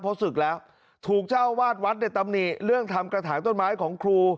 เพราะศึกแล้วถูกเจ้าวาดวัดในตำหนิเรื่องทำกระถางต้นไม้ของครู